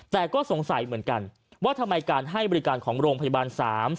แต่ก็สงสัยเหมือนกันว่าทำไมการให้บริการของโรงพยาบาล๓